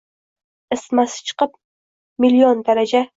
Isitmasi chiqib – milyon daraja